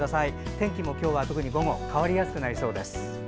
天気も今日は午後変わりやすくなりそうです。